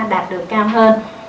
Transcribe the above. đạt được cao hơn